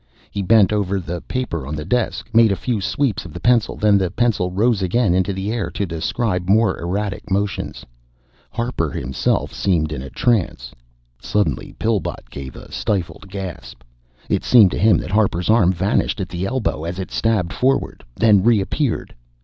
He bent over the paper on the desk, made a few sweeps of the pencil, then the pencil rose again into the air to describe more erratic motions. Harper himself seemed in a trance. Suddenly Pillbot gave a stifled gasp. It seemed to him that Harper's arm vanished at the elbow as it stabbed forward, then reappeared.